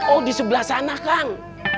oh di sebelah sana kang